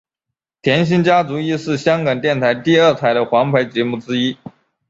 甜心家族亦是香港电台第二台的皇牌节目之一。